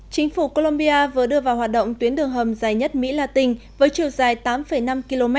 chính phủ colombia vừa đưa vào hoạt động tuyến đường hầm dài nhất mỹ latin với chiều dài tám năm km